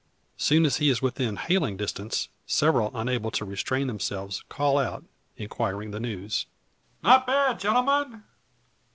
Soon as he is within hailing distance, several unable to restrain themselves, call out, inquiring the news. "Not bad, gentlemen!